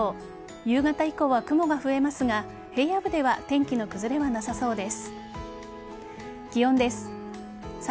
夕方以降は雲が増えますが平野部では天気の崩れはなさそうです。